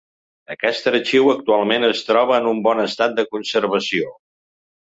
Aquest arxiu actualment es troba en un bon estat de conservació.